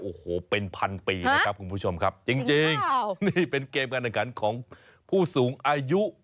โอ้โหเป็นพันปีนะครับคุณผู้ชมครับจริงนี่เป็นเกมการแข่งขันของผู้สูงอายุ